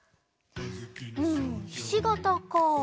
うんひしがたか。